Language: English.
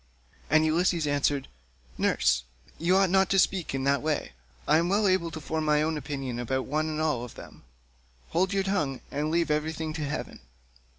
And Ulysses answered, "Nurse, you ought not to speak in that way; I am well able to form my own opinion about one and all of them; hold your tongue and leave everything to heaven."